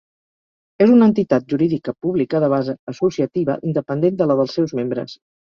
És una entitat jurídica pública de base associativa, independent de la dels seus membres.